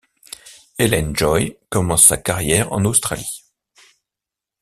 Hélène Joy commence sa carrière en Australie.